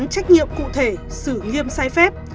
trong trách nhiệm cụ thể xử nghiêm sai phép